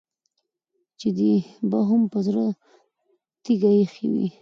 چې دې به هم په زړه تيږه اېښې وي.